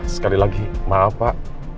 sekali lagi maaf pak